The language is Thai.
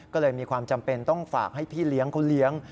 ก็เลยมีความจำเป็นต้องฝากให้พี่เลี้ยงเขาเลี้ยง